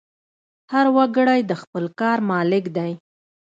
هر وګړی د خپل کار مالک دی.